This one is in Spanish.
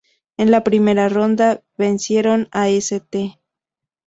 En la primera ronda vencieron a St.